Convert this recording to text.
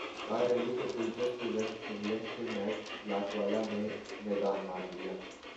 کارریلی کا دلچسپ event Finland کے میٹ لاٹوالہ نے میدان مار لیا